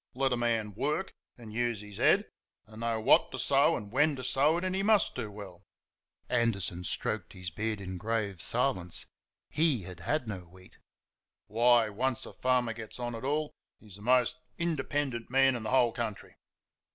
Let a man WORK and use his HEAD and know what to sow and when to sow it, and he MUST do well." (Anderson stroked his beard in grave silence; HE had had no wheat). "Why, once a farmer gets on at all he's the most independent man in the whole country."